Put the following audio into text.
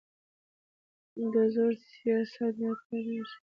د زور سیاست ناکامېږي